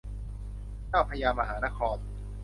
เจ้าพระยามหานคร